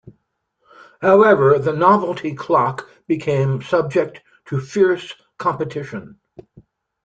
However, the novelty clock became subject to fierce competition.